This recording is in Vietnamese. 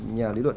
nhà lý luận